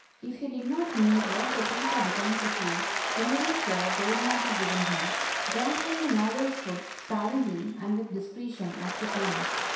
If he did not need what the teeth are designed to chew, you may be sure they would not be given him. Grant him the novel food sparingly and with discretion as to kind.